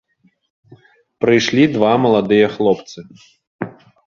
Прыйшлі два маладыя хлопцы.